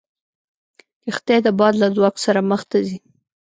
کښتۍ د باد له ځواک سره مخ ته ځي.